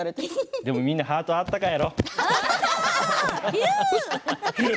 でもみんなハート温かいやろ？